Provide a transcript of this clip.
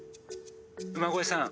「馬越さん